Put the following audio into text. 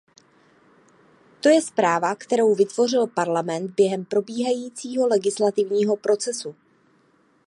To je zpráva, kterou vytvořil Parlament během probíhajícího legislativního procesu.